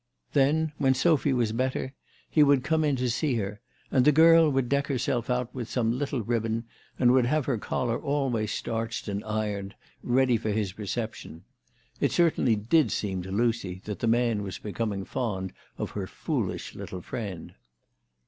Then, when Sophy was better, he would come in to see her, and the girl would deck herself out with some little ribbon and would have her collar always starched THE TELEGRAPH GIRL. 283 and ironed, ready for his reception. It certainly did seem to Lucy that the man was becoming fond of her foolish little friend.